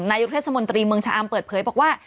นายกเทศมนตรีเมืองชะอำเปิดเผยบอกว่า